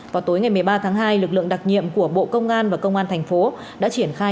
vào tối ngày một mươi ba tháng hai lực lượng đặc nhiệm của bộ công an và công an thành phố đã triển khai